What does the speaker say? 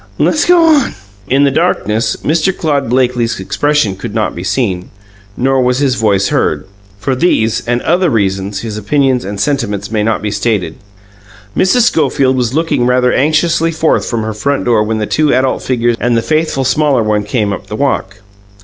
"Le's go on!" In the darkness Mr. Claude Blakely's expression could not be seen, nor was his voice heard. For these and other reasons, his opinions and sentiments may not be stated. ... Mrs. Schofield was looking rather anxiously forth from her front door when the two adult figures and the faithful smaller one came up the walk.